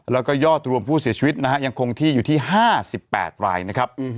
แล้วก็ยอดรวมผู้เสียชีวิตนะฮะยังคงที่อยู่ที่๕๘รายนะครับ